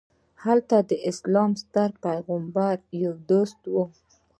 هلته د اسلام د ستر پیغمبر یو دوست و.